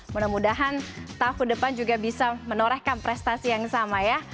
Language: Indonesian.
mudah mudahan tahun depan juga bisa menorehkan prestasi yang sama ya